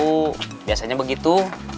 bukasot tahu biasanya begitu